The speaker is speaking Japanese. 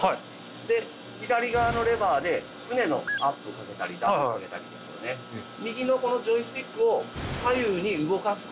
で左側のレバーで船のアップさせたりダウンさせたりですよね。